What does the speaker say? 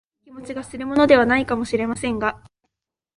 いい気持ちがするものでは無いかも知れませんが、